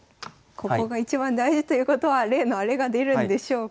ここが一番大事ということは例のあれが出るんでしょうか。